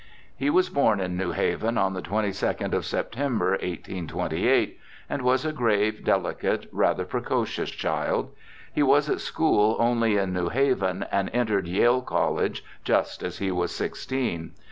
He was born in New Haven on the 22d of September, 1828, and was a grave, delicate, rather precocious child. He was at school only in New Haven, and entered Yale College just as he was sixteen.